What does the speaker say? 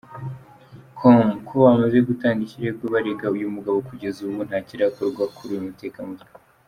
com ko bamaze gutanga ikirego barega uyu mugabo kugeza ubu ntakirakorwa kuri uyu mutekamutwe.